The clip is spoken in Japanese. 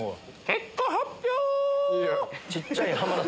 結果発表！